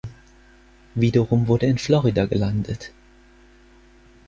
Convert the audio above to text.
Wiederum wurde in Florida gelandet.